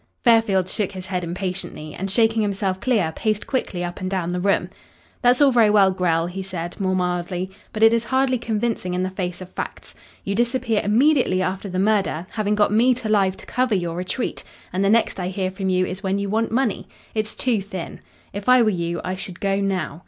Fairfield shook his head impatiently, and shaking himself clear paced quickly up and down the room. "That's all very well, Grell," he said more mildly, "but it is hardly convincing in the face of facts. You disappear immediately after the murder, having got me to lie to cover your retreat, and the next I hear from you is when you want money. It's too thin. If I were you I should go now.